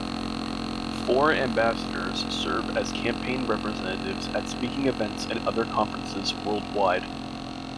Four ambassadors serve as campaign representatives at speaking events and other conferences worldwide.